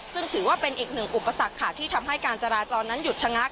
ซึ่งถือว่าเป็นอีกหนึ่งอุปสรรคค่ะที่ทำให้การจราจรนั้นหยุดชะงัก